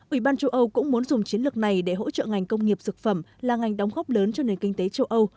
ủy ban châu âu cũng muốn dùng chiến lược này để hỗ trợ ngành công nghiệp dược phẩm là ngành đóng góp lớn cho nền kinh tế châu âu